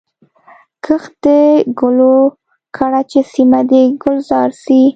کښت د ګلو کړه چي سیمه دي ګلزار سي